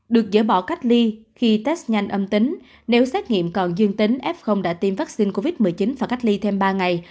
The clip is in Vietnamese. được dỡ bỏ cách ly khi test nhanh âm tính nếu xét nghiệm còn dương tính f đã tiêm vaccine covid một mươi chín và cách ly thêm ba ngày